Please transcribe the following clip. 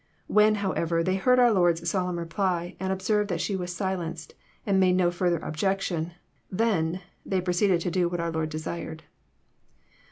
When, however, they heard our Lord's solemn reply, and observed that she was silenced, and made no flirther objection, <' then" they proceeded to do what our Lord desired.